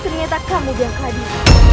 ternyata kamu yang hadir